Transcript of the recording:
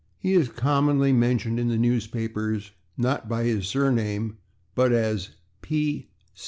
He is commonly mentioned in the newspapers, not by his surname, but as /P.